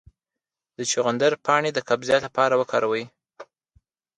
د چغندر پاڼې د قبضیت لپاره وکاروئ